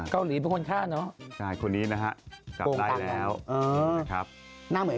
เกาหลีเป็นคนท่านเนอะ